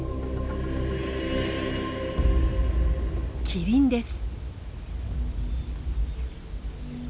キリンです。